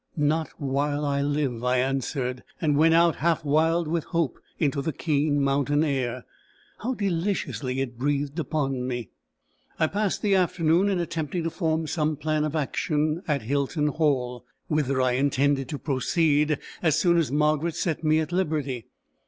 "Not while I live," I answered, and went out, half wild with hope, into the keen mountain air. How deliciously it breathed upon me! I passed the afternoon in attempting to form some plan of action at Hilton Hall, whither I intended to proceed as soon as Margaret set me at liberty.